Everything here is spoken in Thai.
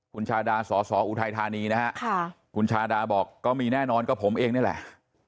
คุณชาดาสอสออุทัยธานีนะฮะคุณชาดาบอกก็มีแน่นอนก็ผมเองนี่แหละ